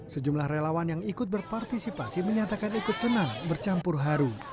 sejumlah relawan yang ikut berpartisipasi menyatakan ikut senang bercampur haru